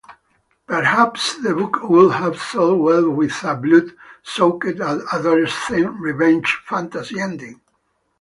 Perhaps the book would have sold well with a blood-soaked adolescent revenge fantasy ending.